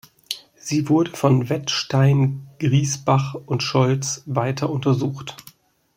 Sie wurde von Wettstein, Griesbach und Scholz weiter untersucht.